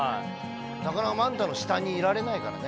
なかなかマンタの下にいられないからね。